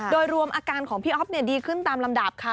โดยรวมอาการของพี่อ๊อฟดีขึ้นตามลำดับค่ะ